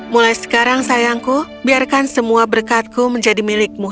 mulai sekarang sayangku biarkan semua berkatku menjadi milikmu